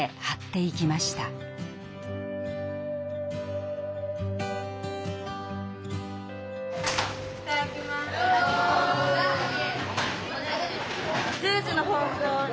いただきます。